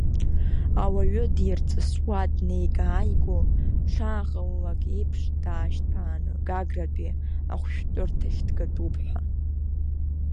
Ауаҩы дирҵысуа, днеига-ааиго дшааҟалалак еиԥш, даашьҭԥааны Гагратәи ахәшәтәырҭахь дгатәуп ҳәа.